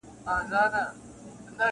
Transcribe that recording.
بې پیسو نه دچا خپل نه د چا سیال یې,